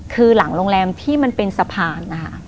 คือหลังโรงแรมที่มันเป็นสะพานนะคะ